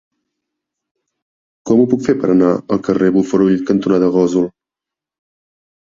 Com ho puc fer per anar al carrer Bofarull cantonada Gósol?